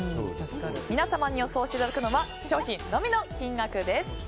皆様に予想していただくのは商品のみの金額です。